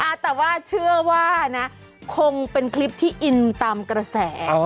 แต่ว่าเชื่อว่านะคงเป็นคลิปที่อินตามกระแส